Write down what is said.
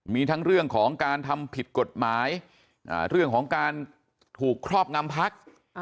มีทั้งเรื่องของการทำผิดกฎหมายเรื่องของการถูกครอบงำพัก